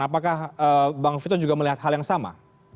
apakah bang vito juga melihat hal yang sama